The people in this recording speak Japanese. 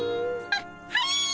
あっはい。